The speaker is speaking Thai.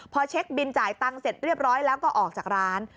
พอเช็คบินจ่ายตังค์เสร็จเรียบร้อยแล้วก็ออกจากร้าน